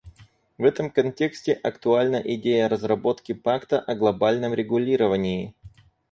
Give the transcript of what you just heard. В этом контексте актуальна идея разработки пакта о глобальном регулировании.